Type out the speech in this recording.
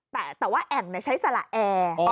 แต่ว่าแอ่งใช้สละแอร์